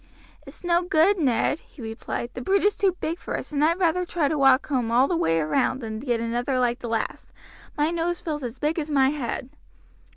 "It's no good, Ned," he replied, "the brute is too big for us, and I'd rather try to walk home all the way round than get another like the last. My nose feels as big as my head."